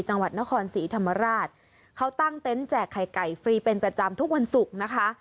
จังหวัดนครศรีธรรมราชเขาตั้งเต็นต์แจกไข่ไก่ฟรีเป็นประจำทุกวันศุกร์นะคะ